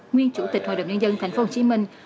nguyên chủ tịch hội đồng nhân dân thành phố hồ chí minh